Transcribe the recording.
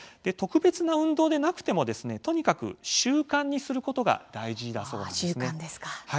特別な運動でなくても、とにかく習慣にすることが大事だそうです。